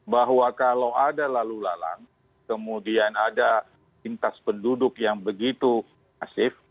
bahwa kalau ada lalu lalang kemudian ada lintas penduduk yang begitu masif